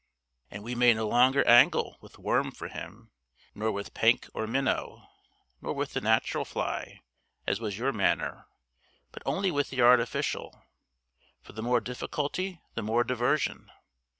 And we may no longer angle with worm for him, nor with penk or minnow, nor with the natural fly, as was your manner, but only with the artificial, for the more difficulty the more diversion.